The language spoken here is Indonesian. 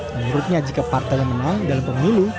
menurutnya jika partai menang dalam pemilu